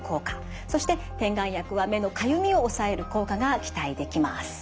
そして点眼薬は目のかゆみを抑える効果が期待できます。